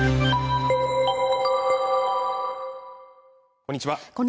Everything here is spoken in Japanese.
こんにちは